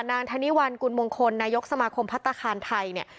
นางธานิวัลกุณมงคลนายกสมาคมพัฒนาคารไทย